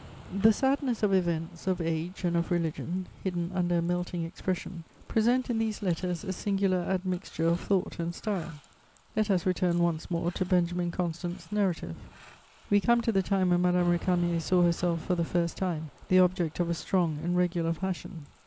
The sadness of events, of age and of religion, hidden under a melting expression, present in these letters a singular admixture of thought and style. Let us return once more to Benjamin Constant's narrative: "We come to the time when Madame Récamier saw herself for the first time the object of a strong and regular passion.